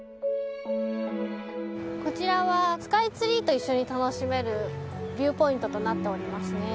こちらはスカイツリーと一緒に楽しめるビューポイントとなっておりますね。